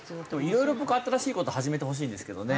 いろいろ僕新しい事始めてほしいんですけどね。